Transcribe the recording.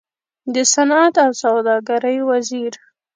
د صنعت او سوداګرۍ وزير